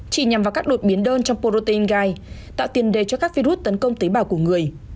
chỉ nhằm vào các đột biến đơn trong protein gai tạo tiền đề cho các virus tấn công tế bào của người